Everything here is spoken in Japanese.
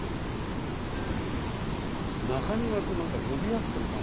中庭となんか呼び合ってる感じよね。